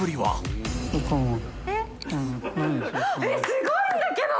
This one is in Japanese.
すごいんだけど！